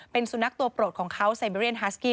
เป็นสุนัขตัวโปรดของเขาไซเบเรียนฮาสกี้